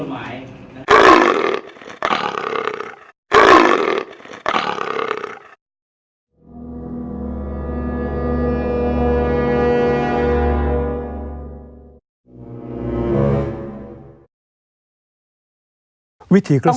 สวัสดีครับ